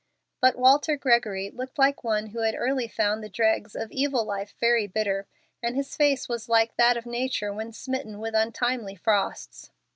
But Walter Gregory looked like one who had early found the dregs of evil life very bitter, and his face was like that of nature when smitten with untimely frosts.